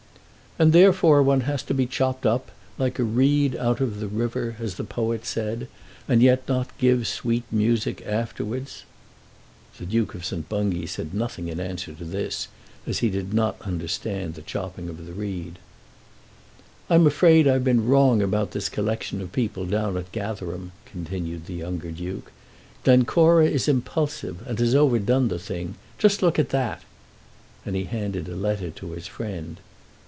"And therefore one has to be chopped up, like 'a reed out of the river,' as the poet said, 'and yet not give sweet music afterwards.'" The Duke of St. Bungay said nothing in answer to this, as he did not understand the chopping of the reed. "I'm afraid I've been wrong about this collection of people down at Gatherum," continued the younger Duke. "Glencora is impulsive, and has overdone the thing. Just look at that." And he handed a letter to his friend.